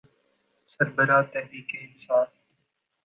سربراہ تحریک انصاف۔